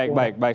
oke baik baik